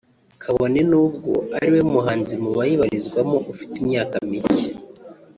kabone n’ubwo ari we muhanzi mu bayibarizwamo ufite imyaka mike